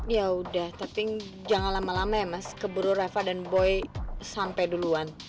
ya udah tapi jangan lama lama ya mas keburu reva dan boy sampai duluan